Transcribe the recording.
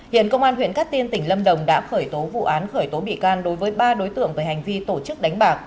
hiện công an huyện cát tiên tỉnh lâm đồng đã khởi tố vụ án khởi tố bị can đối với ba đối tượng về hành vi tổ chức đánh bạc